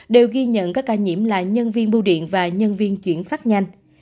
đều ghi nhận các ca nhiễm là nhân viên bưu điện và nhân viên chuyển phát nhanh